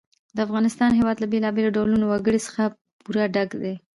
د افغانستان هېواد له بېلابېلو ډولو وګړي څخه پوره ډک دی.